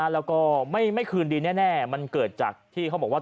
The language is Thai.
แล้วก็ไม่คืนดีแน่มันเกิดจากที่เขาบอกว่า